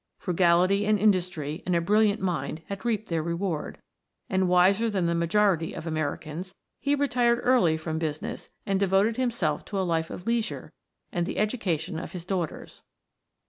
Frugality and industry and a brilliant mind had reaped their reward, and, wiser than the majority of Americans, he retired early from business and devoted himself to a life of leisure and the education of his daughters.